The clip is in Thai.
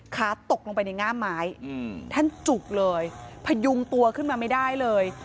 ขาตกลงไปในง่ามไม้ท่านจุกเลยพยุงตัวขึ้นมาไม่ได้เลย